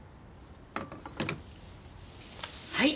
はい。